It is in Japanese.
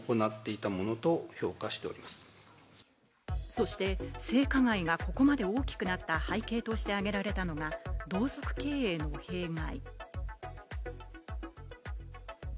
そして、性加害がここまで大きくなった背景として挙げられたのは、同族経営の弊害。